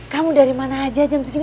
kamu dari mana aja jam segini